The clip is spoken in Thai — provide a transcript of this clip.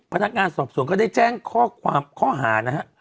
พนักงานสอบสวนก็ได้แจ้งข้อความข้อหานะฮะ